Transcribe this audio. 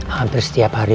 hampir setiap hari